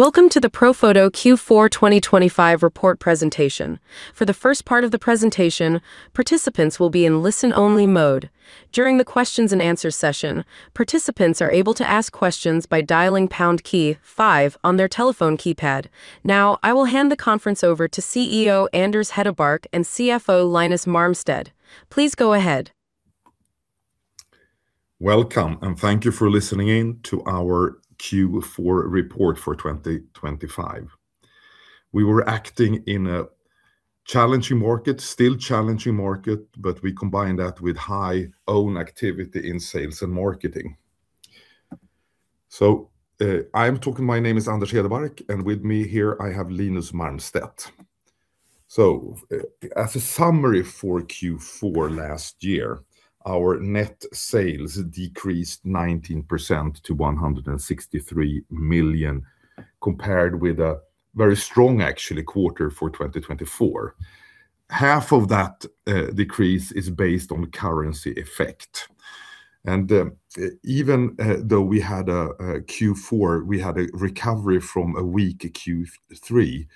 Welcome to the Profoto Q4 2025 report presentation. For the first part of the presentation, participants will be in listen-only mode. During the questions-and-answers session, participants are able to ask questions by dialing pound key 5 on their telephone keypad. Now, I will hand the conference over to CEO Anders Hedebark and CFO Linus Marmstedt. Please go ahead. Welcome, and thank you for listening in to our Q4 report for 2025. We were acting in a challenging market, still challenging market, but we combined that with high own activity in sales and marketing. So I am talking my name is Anders Hedebark, and with me here I have Linus Marmstedt. So as a summary for Q4 last year, our net sales decreased 19% to 163 million, compared with a very strong actually quarter for 2024. Half of that decrease is based on currency effect. Even though we had a Q4 we had a recovery from a weak Q3,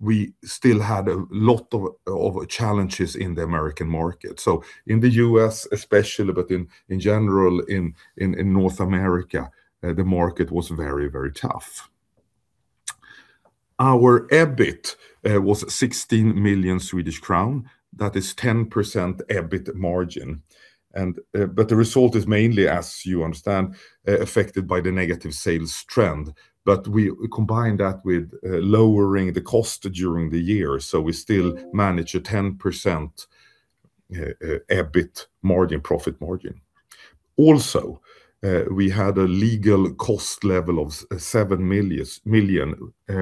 we still had a lot of challenges in the American market. So in the US especially, but in general in North America, the market was very, very tough. Our EBIT was 16 million Swedish crown. That is 10% EBIT margin. But the result is mainly, as you understand, affected by the negative sales trend. But we combined that with lowering the cost during the year, so we still manage a 10% EBIT margin, profit margin. Also, we had a legal cost level of 7 million,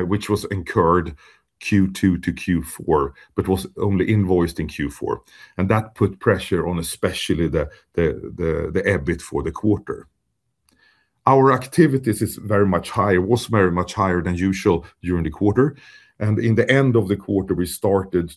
which was incurred Q2-Q4, but was only invoiced in Q4. And that put pressure on especially the EBIT for the quarter. Our activities is very much higher, was very much higher than usual during the quarter. And in the end of the quarter, we started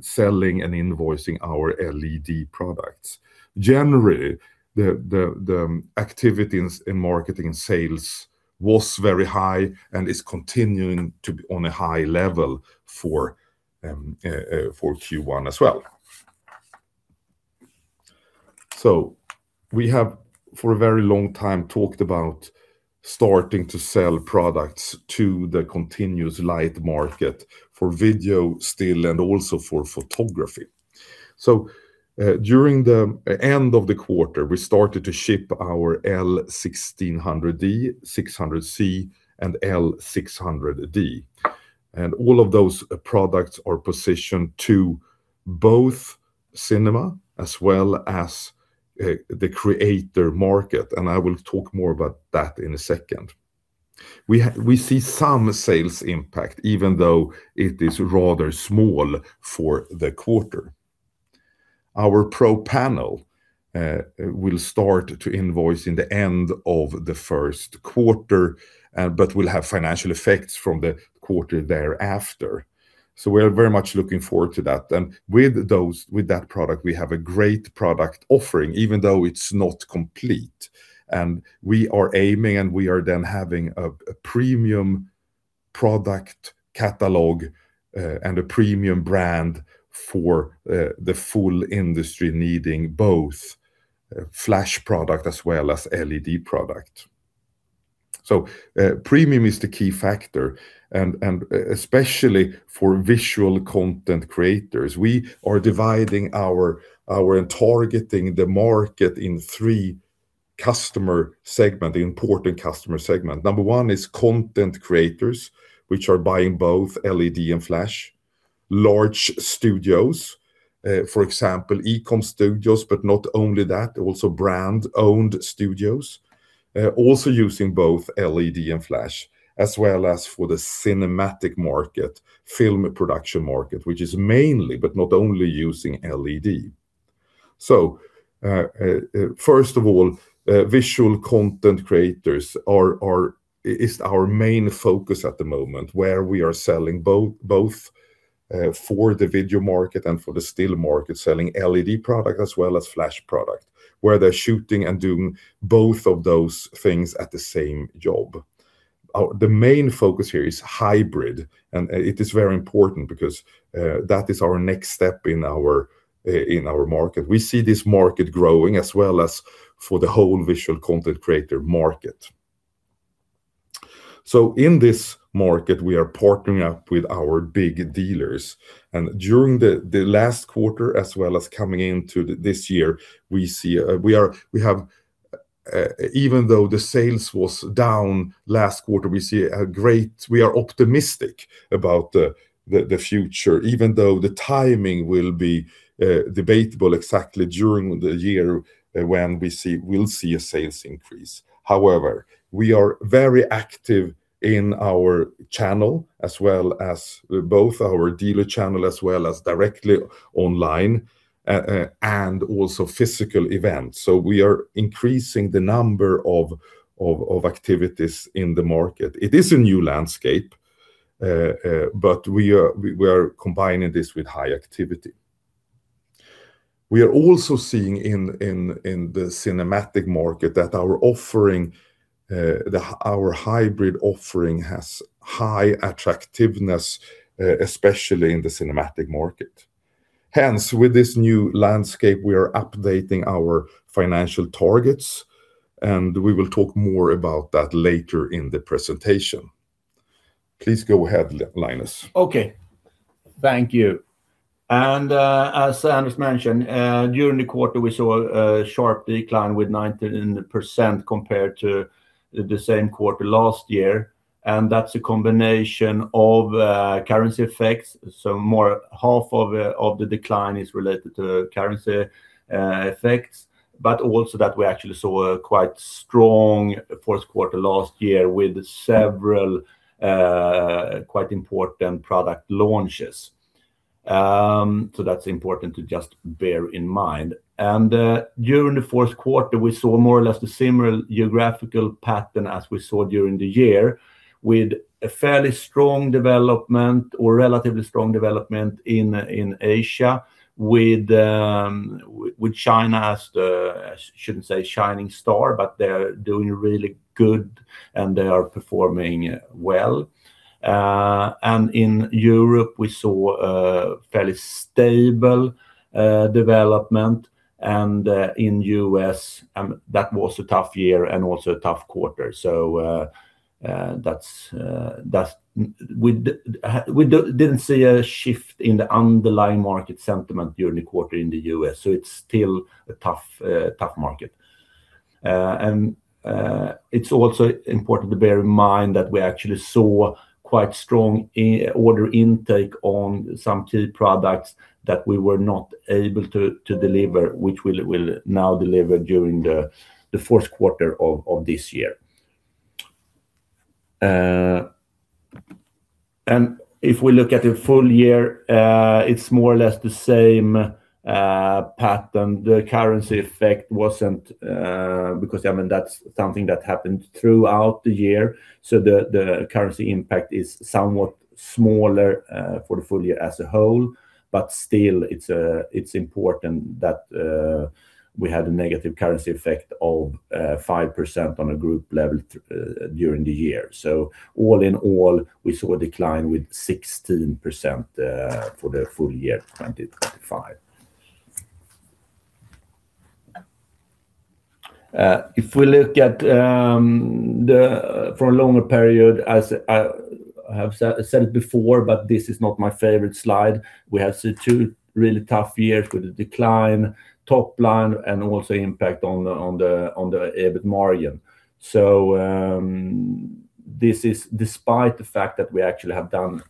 selling and invoicing our LED products. Generally, the activity in marketing and sales was very high and is continuing to be on a high level for Q1 as well. So we have for a very long time talked about starting to sell products to the continuous light market for video still and also for photography. During the end of the quarter, we started to ship our L1600D, 600C, and L600D. All of those products are positioned to both cinema as well as the creator market, and I will talk more about that in a second. We see some sales impact even though it is rather small for the quarter. Our Pro Panel will start to invoice in the end of the first quarter, but will have financial effects from the quarter thereafter. We are very much looking forward to that. With that product, we have a great product offering even though it's not complete. We are aiming and we are then having a premium product catalog and a premium brand for the full industry needing both flash product as well as LED product. Premium is the key factor, and especially for visual content creators. We are dividing our and targeting the market in three customer segment, important customer segment. Number one is content creators, which are buying both LED and flash. Large studios, for example, e-com studios, but not only that, also brand-owned studios, also using both LED and flash, as well as for the cinematic market, film production market, which is mainly, but not only using LED. So first of all, visual content creators is our main focus at the moment, where we are selling both for the video market and for the still market, selling LED product as well as flash product, where they're shooting and doing both of those things at the same job. The main focus here is hybrid, and it is very important because that is our next step in our market. We see this market growing as well as for the whole visual content creator market. So in this market, we are partnering up with our big dealers. During the last quarter as well as coming into this year, we see we have even though the sales was down last quarter, we see a great we are optimistic about the future, even though the timing will be debatable exactly during the year when we will see a sales increase. However, we are very active in our channel as well as both our dealer channel as well as directly online and also physical events. We are increasing the number of activities in the market. It is a new landscape, but we are combining this with high activity. We are also seeing in the cinematic market that our hybrid offering has high attractiveness, especially in the cinematic market. Hence, with this new landscape, we are updating our financial targets, and we will talk more about that later in the presentation. Please go ahead, Linus. Okay. Thank you. And as Anders mentioned, during the quarter, we saw a sharp decline with 19% compared to the same quarter last year. And that's a combination of currency effects. So half of the decline is related to currency effects, but also that we actually saw a quite strong fourth quarter last year with several quite important product launches. So that's important to just bear in mind. And during the fourth quarter, we saw more or less the similar geographical pattern as we saw during the year with a fairly strong development or relatively strong development in Asia with China as the—I shouldn't say shining star, but they're doing really good and they are performing well. And in Europe, we saw fairly stable development. And in the US, that was a tough year and also a tough quarter. So we didn't see a shift in the underlying market sentiment during the quarter in the U.S. So it's still a tough market. And it's also important to bear in mind that we actually saw quite strong order intake on some key products that we were not able to deliver, which we will now deliver during the fourth quarter of this year. And if we look at the full year, it's more or less the same pattern. The currency effect wasn't because, I mean, that's something that happened throughout the year. So the currency impact is somewhat smaller for the full year as a whole. But still, it's important that we had a negative currency effect of 5% on a group level during the year. So all in all, we saw a decline with 16% for the full year 2025. If we look at it for a longer period, as I have said it before, but this is not my favorite slide, we have seen two really tough years with a decline topline and also impact on the EBIT margin. So this is despite the fact that we actually have done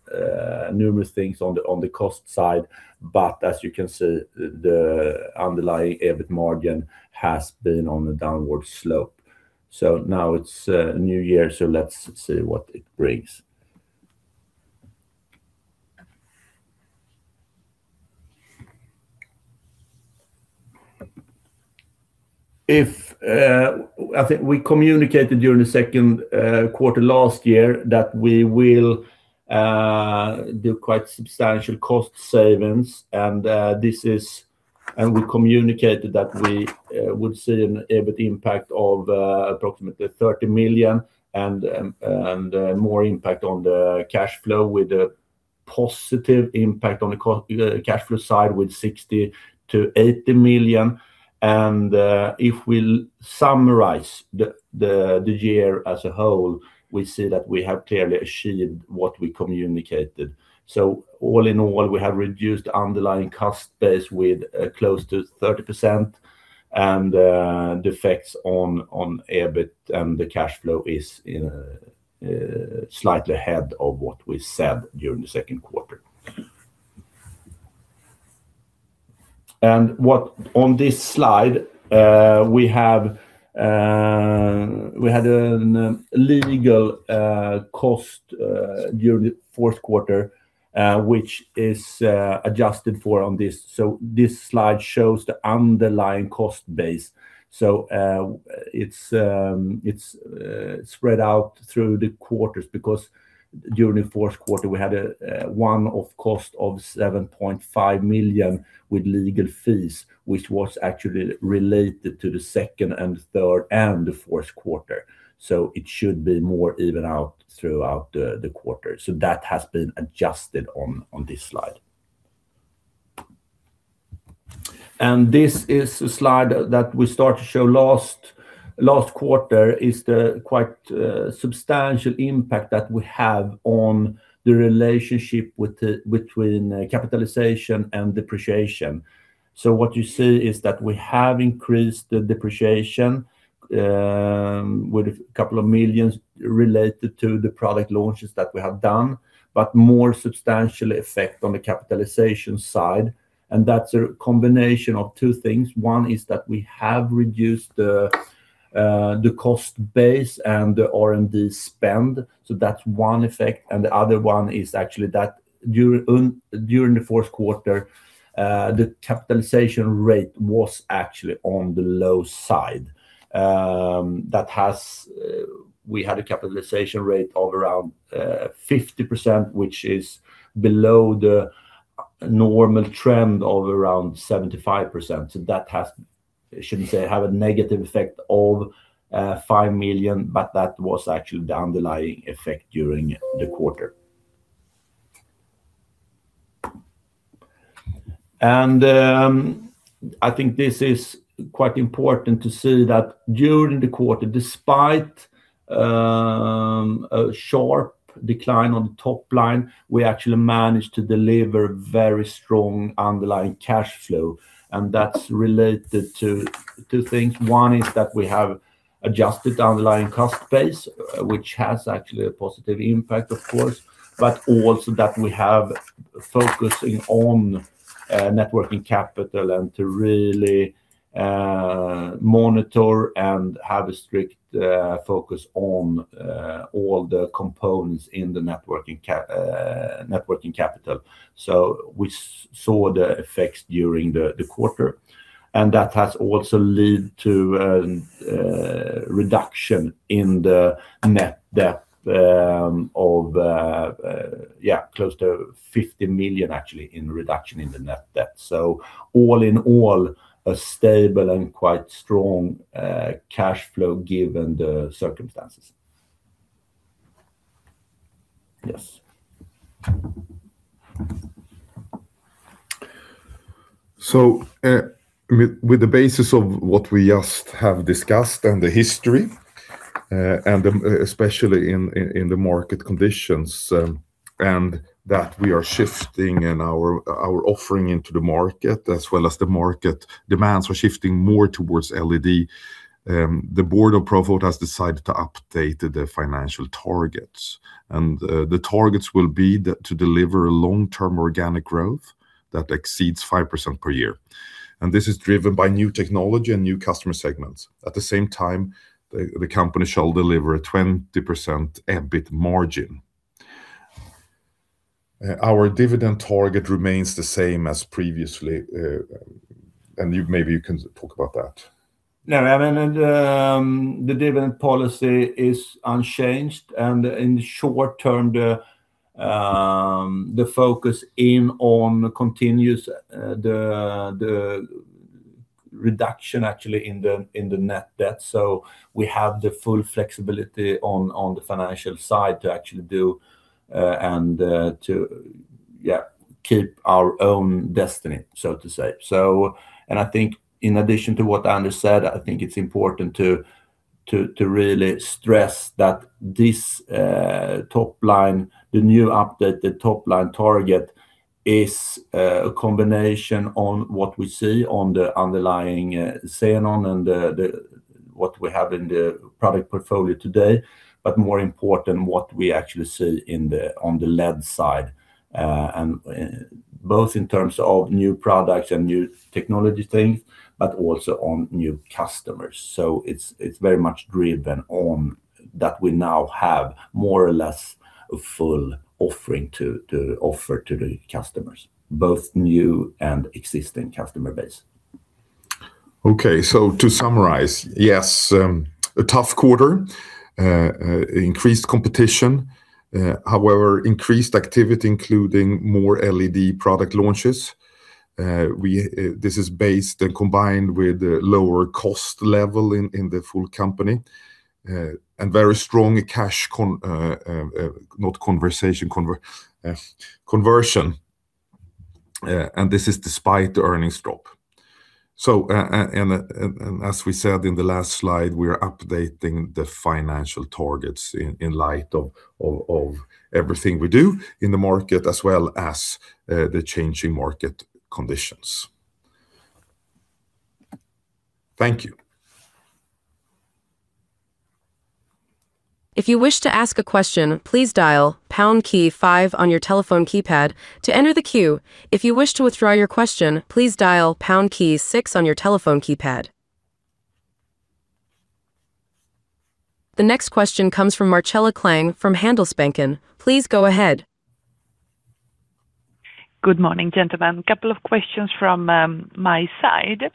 numerous things on the cost side, but as you can see, the underlying EBIT margin has been on a downward slope. So now it's a new year, so let's see what it brings. I think we communicated during the second quarter last year that we will do quite substantial cost savings. We communicated that we would see an EBIT impact of approximately 30 million and more impact on the cash flow with a positive impact on the cash flow side with 60 million-80 million. If we summarize the year as a whole, we see that we have clearly achieved what we communicated. All in all, we have reduced underlying cost base with close to 30%, and the effects on EBIT and the cash flow is slightly ahead of what we said during the second quarter. On this slide, we had a legal cost during the fourth quarter, which is adjusted for on this. This slide shows the underlying cost base. It's spread out through the quarters because during the fourth quarter, we had one-off cost of 7.5 million with legal fees, which was actually related to the second and third and the fourth quarter. It should be more even out throughout the quarter. That has been adjusted on this slide. This is a slide that we started to show last quarter is the quite substantial impact that we have on the relationship between capitalization and depreciation. So what you see is that we have increased the depreciation with 2 million related to the product launches that we have done, but more substantially effect on the capitalization side. And that's a combination of two things. One is that we have reduced the cost base and the R&D spend. So that's one effect. And the other one is actually that during the fourth quarter, the capitalization rate was actually on the low side. We had a capitalization rate of around 50%, which is below the normal trend of around 75%. So that has, I shouldn't say, have a negative effect of 5 million, but that was actually the underlying effect during the quarter. I think this is quite important to see that during the quarter, despite a sharp decline on the topline, we actually managed to deliver very strong underlying cash flow. And that's related to two things. One is that we have adjusted the underlying cost base, which has actually a positive impact, of course, but also that we have focusing on net working capital and to really monitor and have a strict focus on all the components in the net working capital. So we saw the effects during the quarter. And that has also led to a reduction in the net debt of, yeah, close to 50 million actually in reduction in the net debt. So all in all, a stable and quite strong cash flow given the circumstances. Yes. So with the basis of what we just have discussed and the history, and especially in the market conditions, and that we are shifting in our offering into the market as well as the market demands are shifting more towards LED, the board of Profoto has decided to update the financial targets. The targets will be to deliver a long-term organic growth that exceeds 5% per year. This is driven by new technology and new customer segments. At the same time, the company shall deliver a 20% EBIT margin. Our dividend target remains the same as previously. Maybe you can talk about that. No, I mean, the dividend policy is unchanged. In the short term, the focus in on continues the reduction actually in the net debt. So we have the full flexibility on the financial side to actually do and to, yeah, keep our own destiny, so to say. And I think in addition to what Anders said, I think it's important to really stress that this topline, the new updated topline target is a combination on what we see on the underlying xenon and what we have in the product portfolio today, but more important what we actually see on the LED side, both in terms of new products and new technology things, but also on new customers. So it's very much driven on that we now have more or less a full offering to offer to the customers, both new and existing customer base. Okay. So to summarize, yes, a tough quarter, increased competition. However, increased activity including more LED product launches. This is based and combined with a lower cost level in the full company and very strong cash, not conversation, conversion. And this is despite the earnings drop. And as we said in the last slide, we are updating the financial targets in light of everything we do in the market as well as the changing market conditions. Thank you. If you wish to ask a question, please dial pound key 5 on your telephone keypad to enter the queue. If you wish to withdraw your question, please dial pound key 6 on your telephone keypad. The next question comes from Marcela Klang from Handelsbanken. Please go ahead. Good morning, gentlemen. Couple of questions from my side.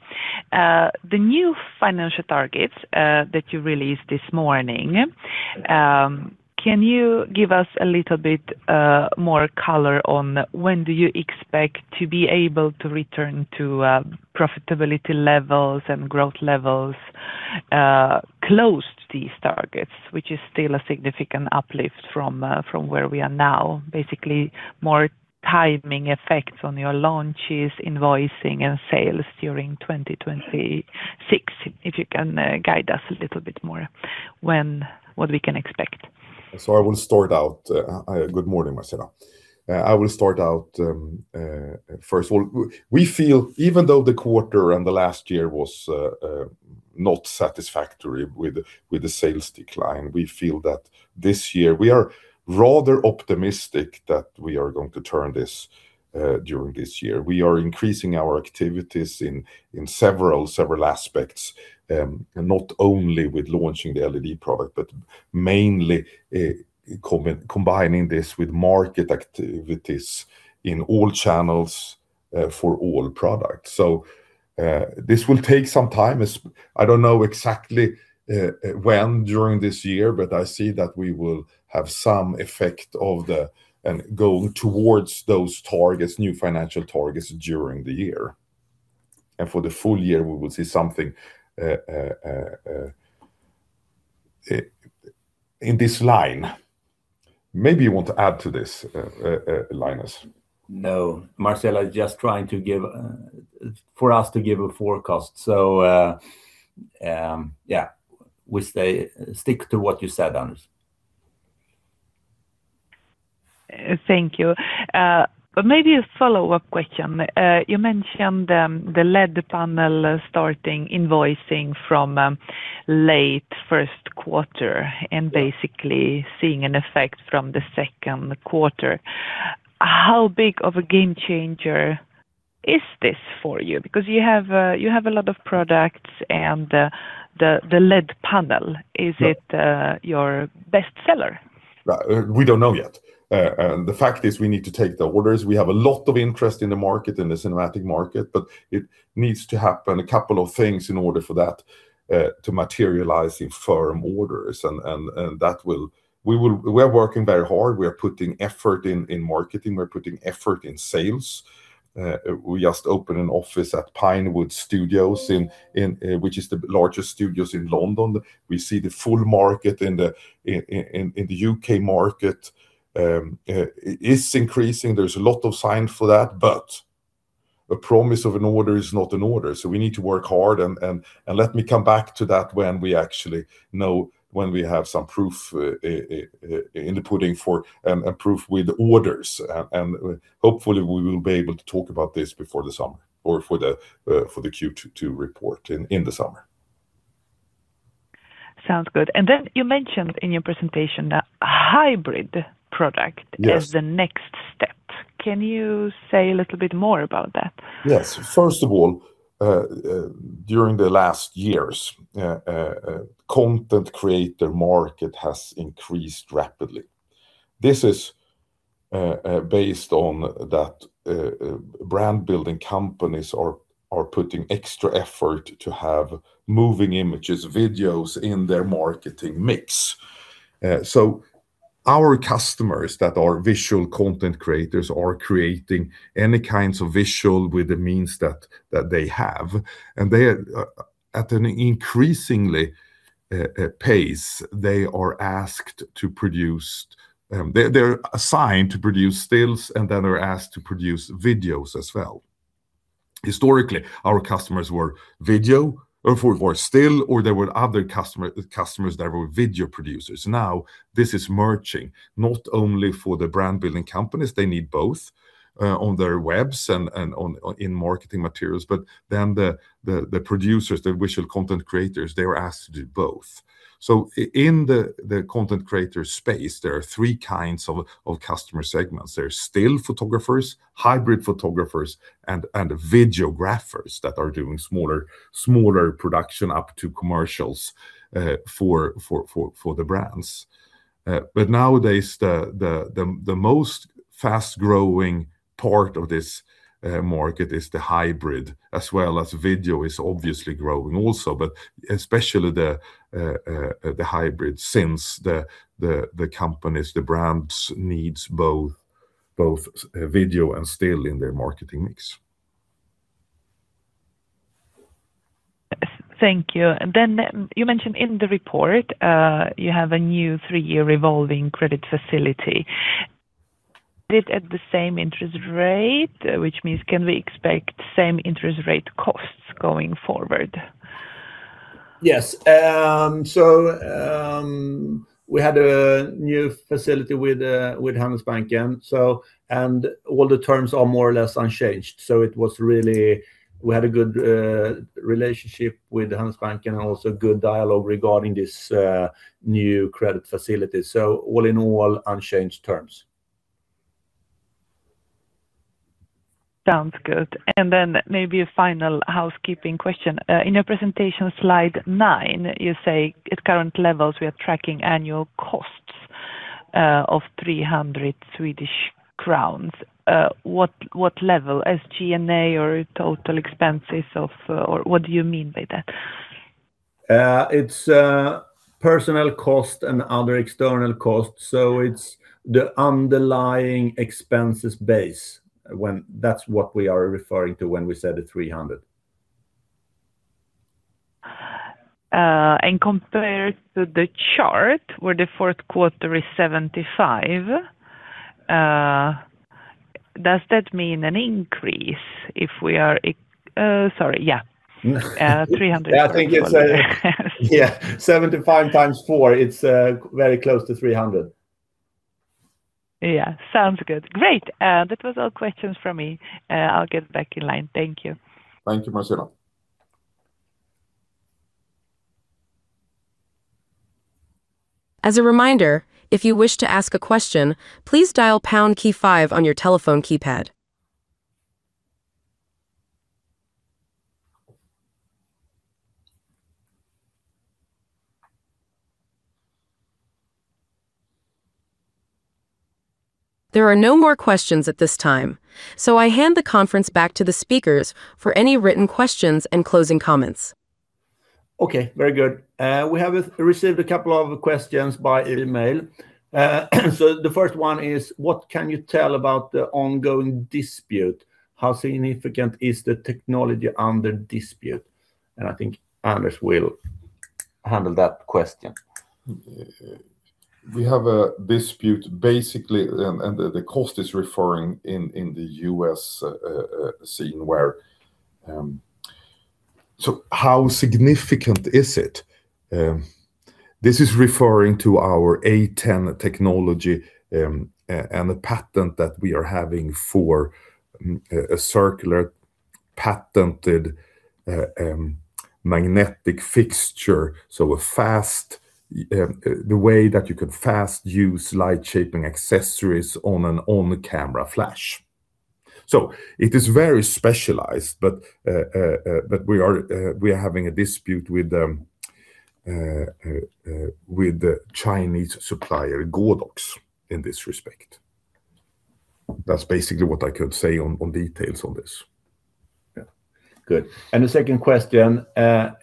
The new financial targets that you released this morning, can you give us a little bit more color on when do you expect to be able to return to profitability levels and growth levels close to these targets, which is still a significant uplift from where we are now? Basically, more timing effects on your launches, invoicing, and sales during 2026, if you can guide us a little bit more what we can expect. So, I will start out. Good morning, Marcela. I will start out first of all, we feel even though the quarter and the last year was not satisfactory with the sales decline, we feel that this year we are rather optimistic that we are going to turn this during this year. We are increasing our activities in several aspects, not only with launching the LED product, but mainly combining this with market activities in all channels for all products. So this will take some time. I don't know exactly when during this year, but I see that we will have some effect of going towards those targets, new financial targets during the year. And for the full year, we will see something in this line. Maybe you want to add to this, Linus? No, Marcela is just trying to give for us to give a forecast. So yeah, we stick to what you said, Anders. Thank you. Maybe a follow-up question. You mentioned the LED panel starting invoicing from late first quarter and basically seeing an effect from the second quarter. How big of a game changer is this for you? Because you have a lot of products and the LED panel, is it your bestseller? Right. We don't know yet. The fact is we need to take the orders. We have a lot of interest in the market, in the cinematic market, but it needs to happen a couple of things in order for that to materialize in firm orders. And we are working very hard. We are putting effort in marketing. We're putting effort in sales. We just opened an office at Pinewood Studios, which is the largest studios in London. We see the full market in the U.K. market is increasing. There's a lot of sign for that, but a promise of an order is not an order. So we need to work hard. And let me come back to that when we actually know when we have some proof in the pudding for and proof with orders. Hopefully, we will be able to talk about this before the summer or for the Q2 report in the summer. Sounds good. And then you mentioned in your presentation that hybrid product is the next step. Can you say a little bit more about that? Yes. First of all, during the last years, content creator market has increased rapidly. This is based on that brand-building companies are putting extra effort to have moving images, videos in their marketing mix. So our customers that are visual content creators are creating any kinds of visuals with the means that they have. And at an increasing pace, they are asked to produce, they're assigned to produce stills and then are asked to produce videos as well. Historically, our customers were video or stills, or there were other customers that were video producers. Now, this is merging. Not only for the brand-building companies, they need both on their webs and in marketing materials, but then the producers, the visual content creators, they are asked to do both. So in the content creator space, there are three kinds of customer segments. There are still photographers, hybrid photographers, and videographers that are doing smaller production up to commercials for the brands. But nowadays, the most fast-growing part of this market is the hybrid, as well as video is obviously growing also, but especially the hybrid since the companies, the brands needs both video and still in their marketing mix. Thank you. And then you mentioned in the report, you have a new three-year revolving credit facility. Is it at the same interest rate, which means can we expect same interest rate costs going forward? Yes. So we had a new facility with Handelsbanken, and all the terms are more or less unchanged. So it was really we had a good relationship with Handelsbanken and also good dialogue regarding this new credit facility. So all in all, unchanged terms. Sounds good. Then maybe a final housekeeping question. In your presentation slide nine, you say at current levels, we are tracking annual costs of SEK 300. What level, SG&A or total expenses of or what do you mean by that? It's personnel cost and other external costs. So it's the underlying expenses base. That's what we are referring to when we said the 300. Compared to the chart, where the fourth quarter is 75, does that mean an increase if we are, sorry, yeah, 300? Yeah, I think it's a yeah, 75 times 4, it's very close to 300. Yeah. Sounds good. Great. That was all questions from me. I'll get back in line. Thank you. Thank you, Marcela. As a reminder, if you wish to ask a question, please dial pound key five on your telephone keypad. There are no more questions at this time, so I hand the conference back to the speakers for any written questions and closing comments. Okay. Very good. We have received a couple of questions by email. So the first one is, what can you tell about the ongoing dispute? How significant is the technology under dispute? And I think Anders will handle that question. We have a dispute basically, and the cost is referring in the U.S. scene where so how significant is it? This is referring to our A10 technology and a patent that we are having for a circular patented magnetic fixture, so a fast way that you can fasten light-shaping accessories on an on-camera flash. So it is very specialized, but we are having a dispute with the Chinese supplier Godox in this respect. That's basically what I could say on details on this. Yeah. Good. And the second question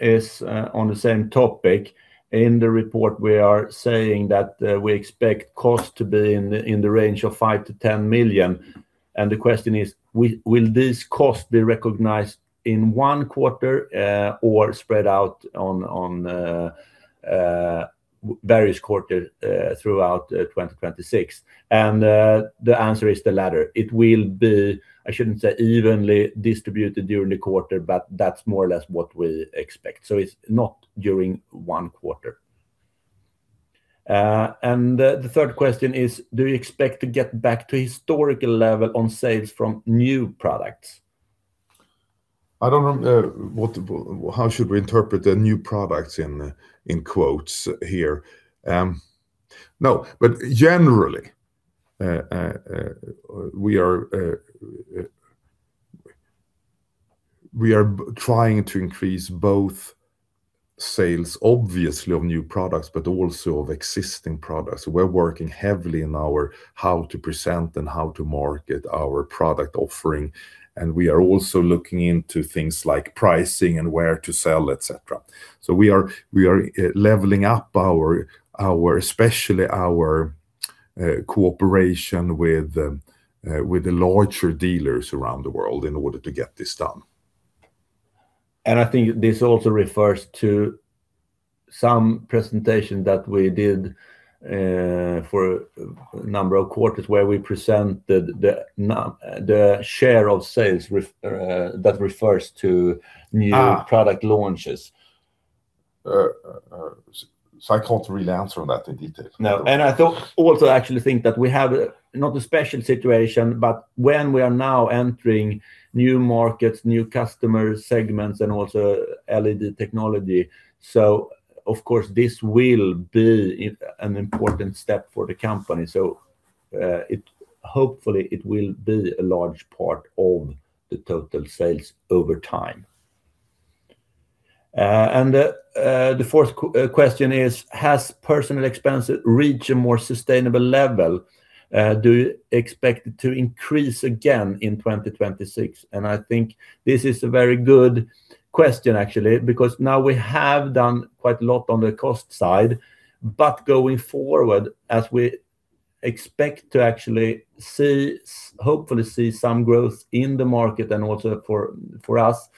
is on the same topic. In the report, we are saying that we expect cost to be in the range of 5 million-10 million. And the question is, will these costs be recognized in one quarter or spread out on various quarters throughout 2026? And the answer is the latter. It will be, I shouldn't say evenly distributed during the quarter, but that's more or less what we expect. So it's not during one quarter. And the third question is, do you expect to get back to historical level on sales from new products? I don't know how should we interpret the new products in quotes here. No, but generally, we are trying to increase both sales, obviously, of new products, but also of existing products. We're working heavily in our how to present and how to market our product offering. And we are also looking into things like pricing and where to sell, etc. So we are leveling up, especially our cooperation with the larger dealers around the world in order to get this done. I think this also refers to some presentation that we did for a number of quarters where we presented the share of sales that refers to new product launches. I can't really answer on that in detail. No. I also actually think that we have not a special situation, but when we are now entering new markets, new customer segments, and also LED technology, so of course, this will be an important step for the company. So hopefully, it will be a large part of the total sales over time. And the fourth question is, has personnel expense reached a more sustainable level? Do you expect it to increase again in 2026? And I think this is a very good question, actually, because now we have done quite a lot on the cost side. But going forward, as we expect to actually see, hopefully see some growth in the market and also for us,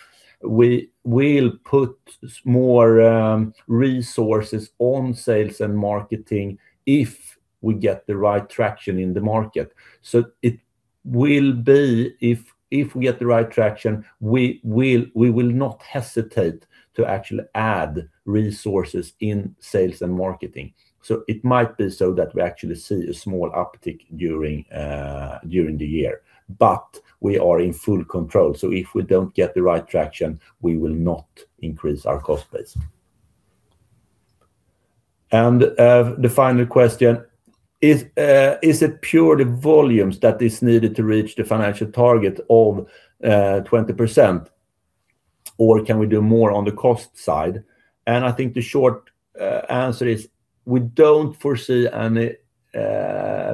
we will put more resources on sales and marketing if we get the right traction in the market. So it will be if we get the right traction, we will not hesitate to actually add resources in sales and marketing. So it might be so that we actually see a small uptick during the year, but we are in full control. So if we don't get the right traction, we will not increase our cost base. And the final question is, is it purely volumes that is needed to reach the financial target of 20%, or can we do more on the cost side? And I think the short answer is, we don't foresee any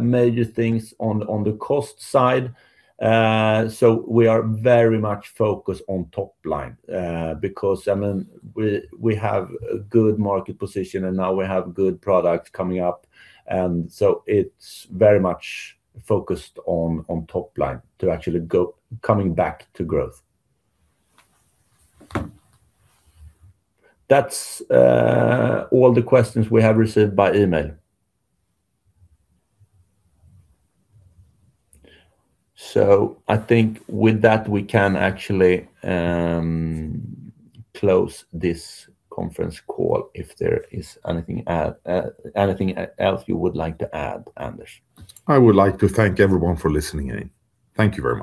major things on the cost side. So we are very much focused on top line because, I mean, we have a good market position, and now we have good products coming up. And so it's very much focused on top line to actually go coming back to growth. That's all the questions we have received by email. So I think with that, we can actually close this conference call if there is anything else you would like to add, Anders. I would like to thank everyone for listening in. Thank you very much.